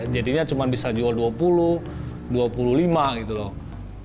jadinya cuma bisa jual dua puluh rp dua puluh lima gitu loh